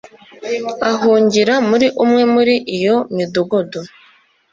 ahungira muri umwe muri iyo midugudu